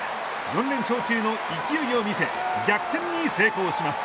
４連勝中の勢いを見せ逆転に成功します。